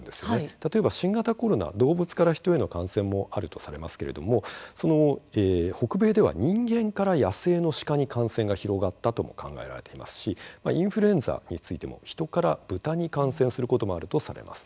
例えば、新型コロナ動物から人への感染もあるとされますけれども北米では人間から野生の鹿に感染が広がったとも考えられていますしインフルエンザについても人から豚に感染することもあるとされます。